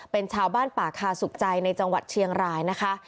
เป็นชาวบ้านป่าคาสุขใจในจังหวัดเชียงรายนะคะ